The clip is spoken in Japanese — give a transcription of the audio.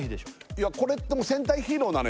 いやこれってもう戦隊ヒーローなのよ